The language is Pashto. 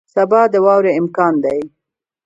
سبا د واورې امکان دی